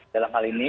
dalam hal ini